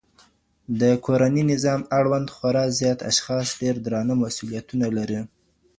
د کورني نظام اړوند خورا زيات اشخاص ډير درانه مسئوليتونه لري